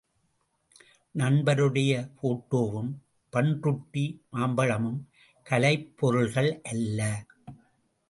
நண்பருடைய போட்டோவும், பண்ருட்டி மாம்பழமும் கலைப் பொருள்கள் அல்ல.